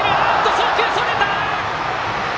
送球それた！